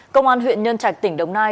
công an huyện nhân trạch tỉnh đồng nai